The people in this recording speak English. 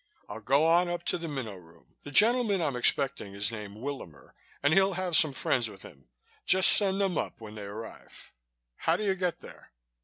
"I'll go on up to the Minnow Room. The gentleman I'm expecting is named Willamer and he'll have some friends with him. Just send them up when they arrive. How do you get there?"